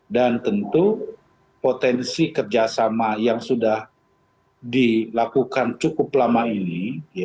dan tentu potensi kerjasama yang sudah dilakukan cukup lama ini